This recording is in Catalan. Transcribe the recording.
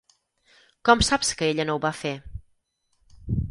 Com saps que ella no ho va fer?